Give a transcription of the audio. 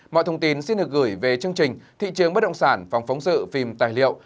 mọi thông tin xin được gửi về chương trình thị trường bất động sản phòng phóng sự phim tài liệu